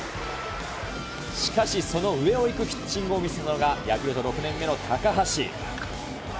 しかしその上をいくピッチングを見せたのが、ヤクルト６年目の高橋。